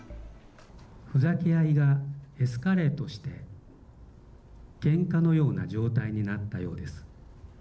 ふざけ合いがエスカレートして、けんかのような状態になったようです。